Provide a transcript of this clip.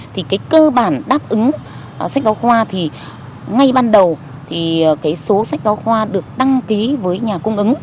thì cái cơ bản đáp ứng sách giáo khoa thì ngay ban đầu thì cái số sách giáo khoa được đăng ký với nhà cung ứng